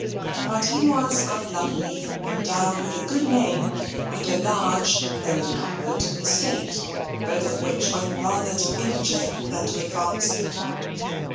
But he was unluckily endowed with a good name and a large though encumbered estate, both of which went rather to injure than to advance him.